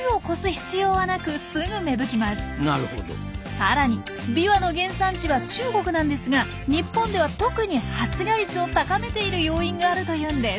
さらにビワの原産地は中国なんですが日本では特に発芽率を高めている要因があるというんです。